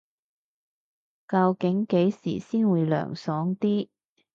究竟幾時先會涼爽啲